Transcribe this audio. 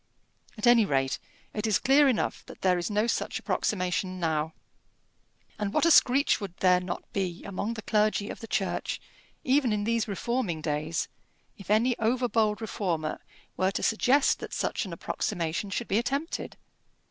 At any rate, it is clear enough that there is no such approximation now. And what a screech would there not be among the clergy of the Church, even in these reforming days, if any over bold reformer were to suggest that such an approximation should be attempted?